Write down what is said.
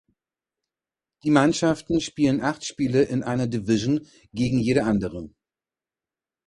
Die Mannschaften spielen acht Spiele in einer Division gegen jede andere.